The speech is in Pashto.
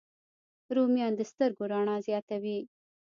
رومیان د سترګو رڼا زیاتوي